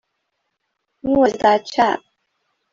Who was that chap?